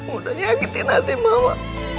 udah nyakitin hati mama